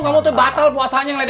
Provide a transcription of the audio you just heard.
kamu tuh batal puasanya